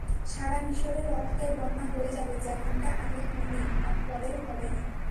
সারা মিশরে রক্তের বন্যা বয়ে যাবে, যেমনটা আগে হয়নি আর পরেও হবে না।